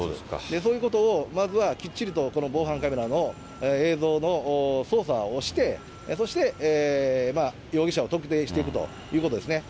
そういうことを、まずはきっちりとこの防犯カメラの映像の捜査をして、そして容疑者を特定していくということですね。